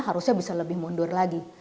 harusnya bisa lebih mundur lagi